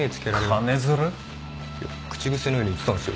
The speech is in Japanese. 口癖のように言ってたんすよ。